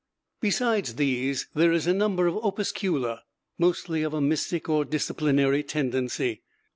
Besides these, there is a number of 'Opuscula,' mostly of a mystic or disciplinary tendency.